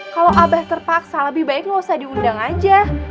kalau abah terpaksa lebih baik gak usah diundang aja